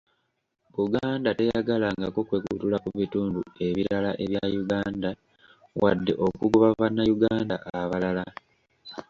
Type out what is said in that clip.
Buganda teyagalangako kwekutula ku bitundu ebirala ebya Uganda, wadde okugoba bannayuganda abalala.